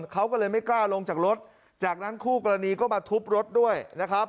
เขาก็เลยไม่กล้าลงจากรถจากนั้นคู่กรณีก็มาทุบรถด้วยนะครับ